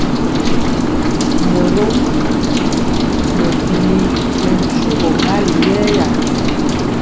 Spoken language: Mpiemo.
Morɔm nɛ bili mɛ njugɔ mali yɛɛya.